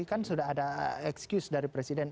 kan sudah ada excuse dari presiden